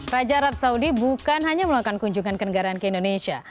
raja arab saudi bukan hanya melakukan kunjungan ke negaraan ke indonesia